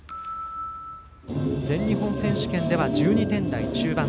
全日本選手権では１２点台中盤。